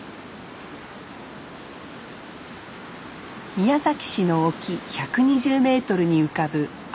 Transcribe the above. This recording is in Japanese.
宮崎市の沖１２０メートルに浮かぶ青島。